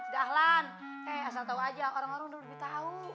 dahlan eh asal tau aja orang orang dulu lebih tahu